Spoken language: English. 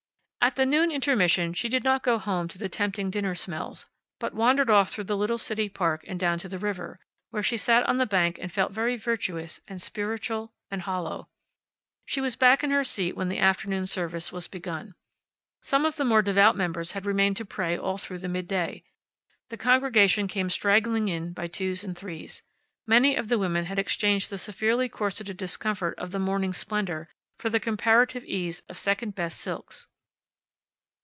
At the noon intermission she did not go home to the tempting dinner smells, but wandered off through the little city park and down to the river, where she sat on the bank and felt very virtuous, and spiritual, and hollow. She was back in her seat when the afternoon service was begun. Some of the more devout members had remained to pray all through the midday. The congregation came straggling in by twos and threes. Many of the women had exchanged the severely corseted discomfort of the morning's splendor for the comparative ease of second best silks.